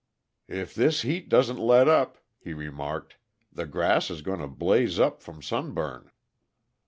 "If this heat doesn't let up," he remarked, "the grass is going to blaze up from sunburn."